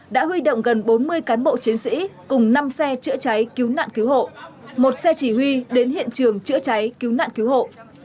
đã huy động gần bốn mươi cán bộ chiến sĩ cùng năm xe chữa cháy cứu nạn cứu hộ một xe chỉ huy đến hiện trường chữa cháy cứu nạn cứu hộ